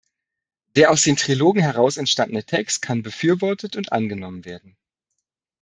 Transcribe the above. Der aus den Trilogen heraus entstandene Text kann befürwortet und angenommen werden.